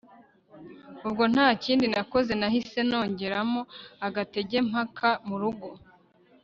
ubwo ntakindi nakoze nahise nongeramo agatege mpaka murugo